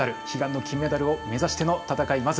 悲願の金メダルを目指しての戦い